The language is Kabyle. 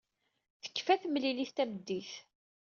Tekfa temlilit tameddit.